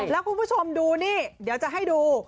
แล้วคุณผู้ชมดูนี่เดี๋ยวจะให้ดู